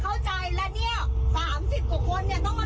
เข้าใจตั้งแต่เป็นตัวน้ำมันเข้าใจตั้งแต่วนมารับ